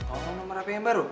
oh nomor hp yang baru